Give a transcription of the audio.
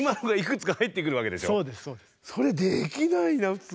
それできないな普通。